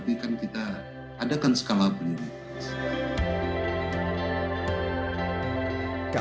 tapi kan kita adakan skala prioritas